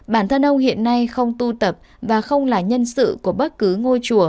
bản thân ông hiện nay không tu tập và không là nhân sự của bất cứ ngôi chùa